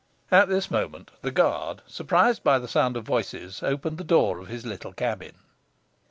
At this moment, the guard, surprised by the sound of voices, opened the door of his little cabin.